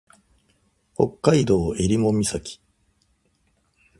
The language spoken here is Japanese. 北海道襟裳岬